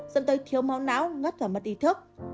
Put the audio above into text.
dẫn tới thiếu máu não ngất và mất ý thức